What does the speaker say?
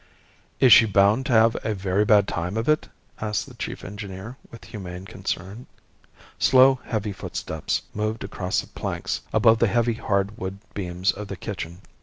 "Is she bound to have a very bad time of it?" asked the chief engineer, with humane concern. Slow, heavy footsteps moved across the planks above the heavy hard wood beams of the kitchen.